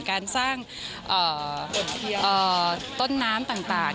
การสร้างต้นน้ำต่าง